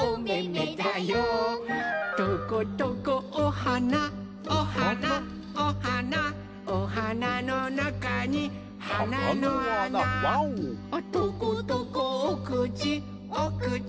「トコトコおはなおはなおはなおはなのなかにはなのあな」「トコトコおくちおくち